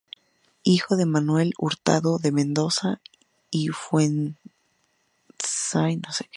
Hijo de Manuel Hurtado de Mendoza y Fuenzalida y Margarita Ugarte y Ramírez.